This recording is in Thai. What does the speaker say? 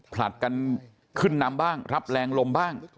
ผลัดกันขึ้นนำบ้างรับแรงลมบ้าง